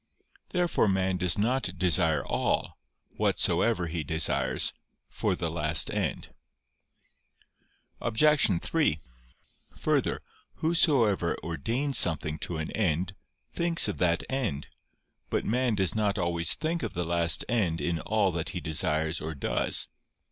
Therefore man does not desire all, whatsoever he desires, for the last end. Obj. 3: Further, whosoever ordains something to an end, thinks of that end. But man does not always think of the last end in all that he desires or does.